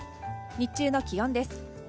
日中の気温です。